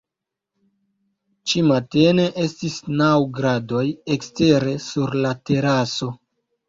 Ĉi-matene estis naŭ gradoj ekstere sur la teraso.